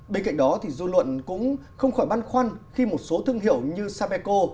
bên cạnh đó dư luận cũng không khỏi băn khoăn khi một số thương hiệu như sapeco